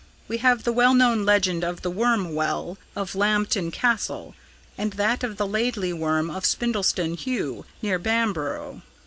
We have the well known legend of the 'Worm Well' of Lambton Castle, and that of the 'Laidly Worm of Spindleston Heugh' near Bamborough.